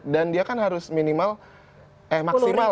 dan dia kan harus minimal eh maksimal